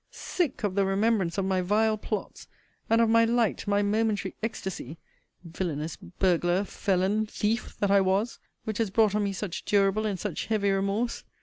sick of the remembrance of my vile plots; and of my light, my momentary ecstacy [villanous burglar, felon, thief, that I was!] which has brought on me such durable and such heavy remorse!